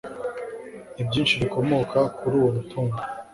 nibyishi bikomoka kuri uwo mutungo .